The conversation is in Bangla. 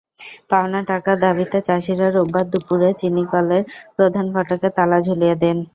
পাওনা টাকার দাবিতে চাষিরা রোববার দুপুরে চিনিকলের প্রধান ফটকে তালা ঝুলিয়ে দেন।